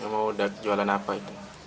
mau jualan apa itu